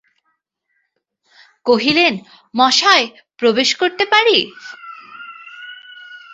কহিলেন, মশায়, প্রবেশ করতে পারি?